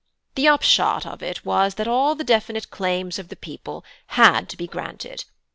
The upshot of it was that all the definite claims of the people had to be granted.